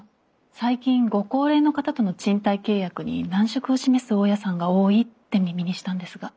最近ご高齢の方との賃貸契約に難色を示す大家さんが多いって耳にしたんですが。